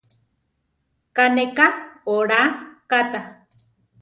Ká ne ka olá katá.